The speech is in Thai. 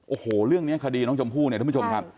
โอ้โหเรื่องนี้คดีน้องชมพู่เนี่ยท่านผู้ชมครับ